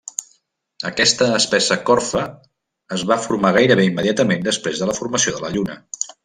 Aquesta espessa corfa es va formar gairebé immediatament després de la formació de la Lluna.